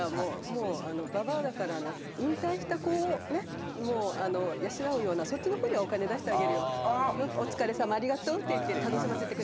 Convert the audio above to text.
もう、ばばあだから引退した子を養うような、そっちの方にお金を出してあげるよお疲れさまありがとうって言って。